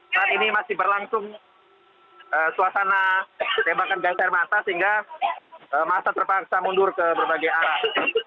saat ini masih berlangsung suasana tembakan gas air mata sehingga masa terpaksa mundur ke berbagai arah